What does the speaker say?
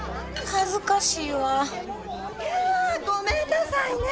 いやごめんなさいね。